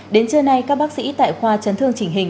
đến trưa nay các bác sĩ tại khoa chấn thương chỉnh hình